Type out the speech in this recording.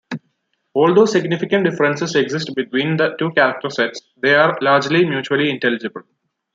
Although significant differences exist between the two character sets, they are largely mutually intelligible.